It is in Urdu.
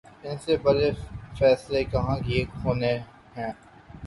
ان سے بڑے فیصلے کہاں ہونے ہیں۔